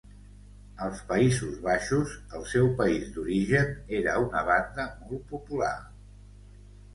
Als Països Baixos, el seu país d'origen, eren una banda molt popular.